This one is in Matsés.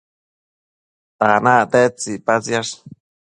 tanac tedtsi icpatsiash?